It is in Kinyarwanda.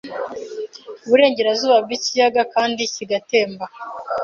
uburengerazuba bwikiyaga kandi kigatemba